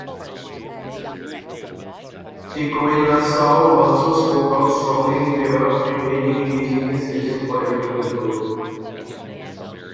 Tikoinasau also spoke out strongly in favour of maintaining indigenous Fijian political control.